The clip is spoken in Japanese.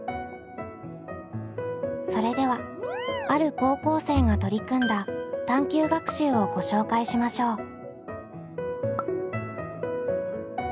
それではある高校生が取り組んだ探究学習をご紹介しましょう。